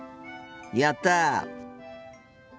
やった！